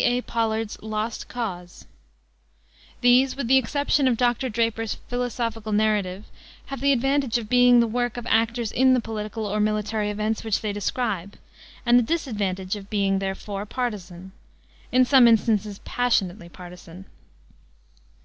A. Pollard's Lost Cause. These, with the exception of Dr. Draper's philosophical narrative, have the advantage of being the work of actors in the political or military events which they describe, and the disadvantage of being, therefore, partisan in some instances passionately partisan.